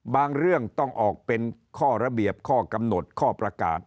เรื่องต้องออกเป็นข้อระเบียบข้อกำหนดข้อประกาศ